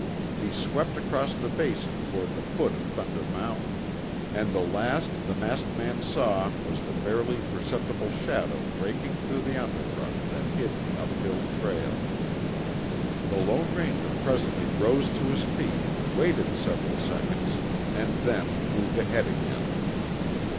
He swept across the Basin toward the foot of Thunder Mountain, and the last the masked man saw was the barely perceptible shadow breaking through the underbrush that hid the uphill trail. The Lone Ranger presently rose to his feet, waited several seconds, and then moved ahead again.